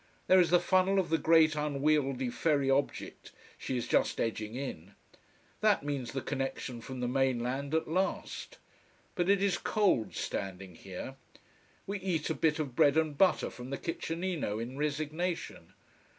There is the funnel of the great unwieldy ferry object she is just edging in. That means the connection from the mainland at last. But it is cold, standing here. We eat a bit of bread and butter from the kitchenino in resignation.